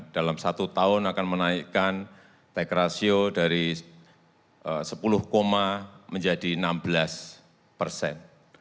dalam satu tahun akan menaikkan tax ratio dari sepuluh menjadi enam belas persen